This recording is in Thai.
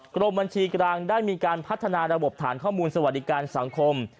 กรมบัญชีกลางได้มีการพัฒนาระบบฐานข้อมูลสวัสดิการสังคม